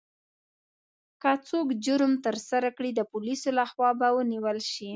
که څوک جرم ترسره کړي، د پولیسو لخوا به ونیول شي.